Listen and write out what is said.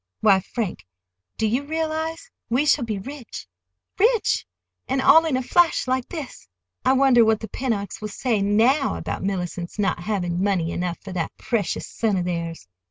Why, Frank, do you realize? We shall be rich—RICH—and all in a flash like this! I wonder what the Pennocks will say now about Mellicent's not having money enough for that precious son of theirs!